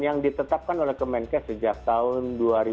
yang ditetapkan oleh kemenkes sejak tahun dua ribu dua